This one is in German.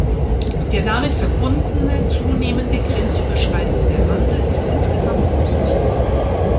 Der damit verbundene zunehmende grenzüberschreitende Handel ist insgesamt positiv.